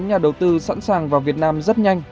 nhà đầu tư sẵn sàng vào việt nam rất nhanh